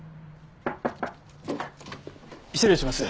失礼します。